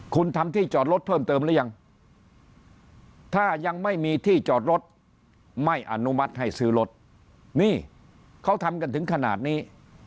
คุณทำที่จอดรถเพิ่มเติมหรือยังถ้ายังไม่มีที่จอดรถไม่อนุมัติให้ซื้อรถนี่เขาทำกันถึงขนาดนี้